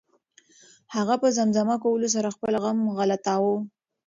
هغه په زمزمه کولو سره خپل غم غلطاوه.